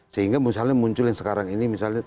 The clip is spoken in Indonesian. sehingga misalnya muncul yang sekarang ini misalnya